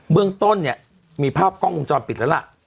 เมืองต้นเนี่ยมีภาพกล้องวงจรปิดแล้วล่ะ